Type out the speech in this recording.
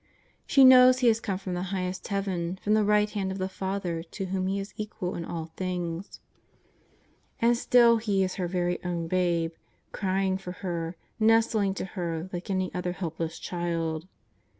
She knows He has come from the highest heaven, from the right hand of the Father to whom He is equal in all things. And still He is her very own Babe, crying for her, nestling to her like any other help less child.